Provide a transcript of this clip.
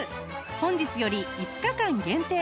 本日より５日間限定